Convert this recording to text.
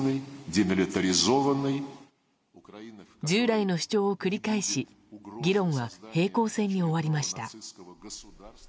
従来の主張を繰り返し議論は平行線に終わりました。